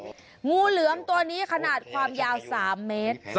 งูเหลือมตัวนี้ขนาดความยาว๓เมตร